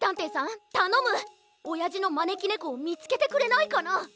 おやじのまねきねこをみつけてくれないかな？